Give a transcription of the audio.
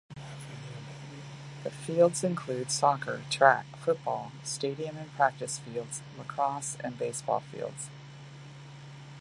The fields include soccer, track, football stadium and practice fields, lacrosse, and baseball fields.